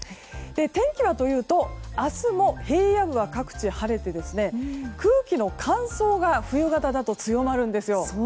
天気はというと明日も平野部は各地で晴れて空気の乾燥が冬型だと強まるんですよ。